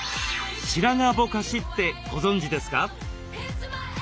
「白髪ぼかし」ってご存じですか？